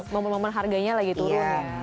momen momen harganya lagi turun